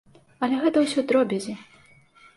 Але гэта ўсё дробязі.